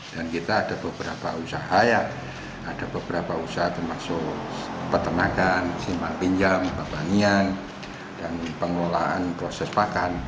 dan kita ada beberapa usaha yang ada beberapa usaha termasuk peternakan simpan pinjam papanian dan pengolahan proses pakan